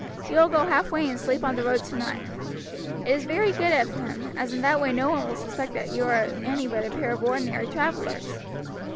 You will go halfway and sleep on the road tonight. It is very good of him, as in that way no one will suspect that you are any but a pair of ordinary travelers.